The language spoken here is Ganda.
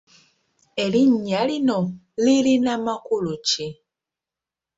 Erinnya lino lirina makulu ki?